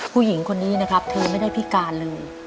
ผู้หญิงคนนี้นะครับเธอไม่ได้พิการเลย